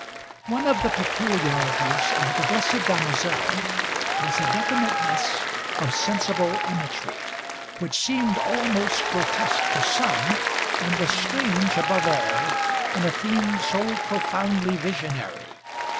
One of the peculiarities of The Blessed Damozel was a definiteness of sensible imagery, which seemed almost grotesque to some, and was strange, above all, in a theme so profoundly visionary.